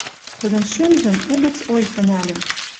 Тӹдӹн шӱмжӹм угӹц ойхы нӓлӹн —